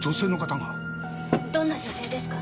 どんな女性ですか？